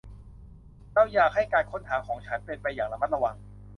เราอยากให้การค้นหาของฉันเป็นไปอย่างระมัดระวัง